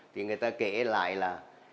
thì người ta kể lại là